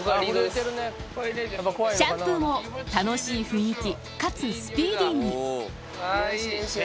シャンプーも楽しい雰囲気かつスピーディーにあぁいい。